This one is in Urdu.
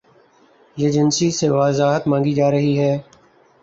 یجنسی سے وضاحت مانگی جا رہی ہے۔